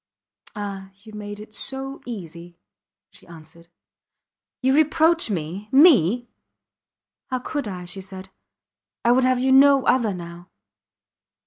Ah! You made it so easy, she answered. You reproach me me! How could I? she said; I would have you no other now.